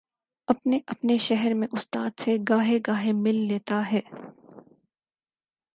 اپنے اپنے شہر میں استاد سے گاہے گاہے مل لیتا ہے۔